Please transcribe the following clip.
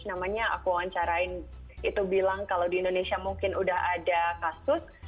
namanya aku wawancarain itu bilang kalau di indonesia mungkin udah ada kasus